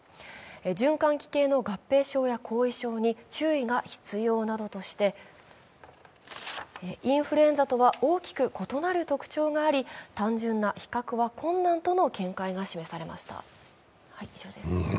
循環器系の合併症や後遺症には注意が必要などとしてインフルエンザとは大きく異なる特徴があり、単純な比較は困難との見解が示されました。